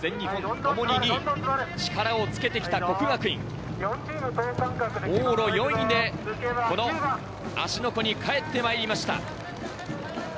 力をつけてきた國學院、往路４位で芦ノ湖に帰ってまいりました。